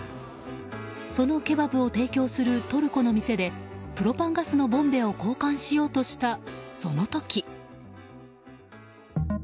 そのケバブを提供するトルコの店でプロパンガスのボンベを交換しようとした、その時。